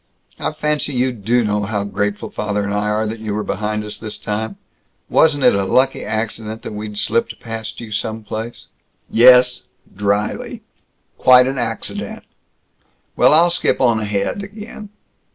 "I fancy you do know how grateful father and I are that you were behind us, this time! Wasn't it a lucky accident that we'd slipped past you some place!" "Yes," dryly, "quite an accident. Well, I'll skip on ahead again.